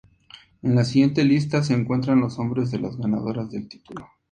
En la siguiente lista se encuentran los nombres de las ganadoras del título.